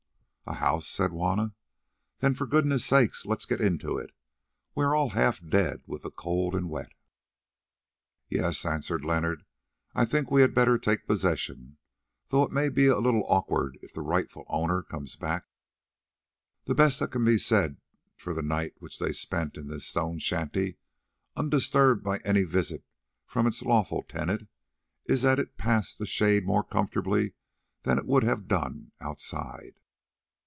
"A house!" said Juanna; "then for goodness' sake let us get into it. We are all half dead with the cold and wet." "Yes," answered Leonard, "I think we had better take possession, though it may be a little awkward if the rightful owners come back." The best that can be said for the night which they spent in this stone shanty, undisturbed by any visit from its lawful tenant, is that it passed a shade more comfortably than it would have done outside.